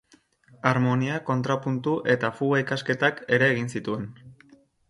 Harmonia, Kontrapuntu eta Fuga ikasketak ere egin zituen.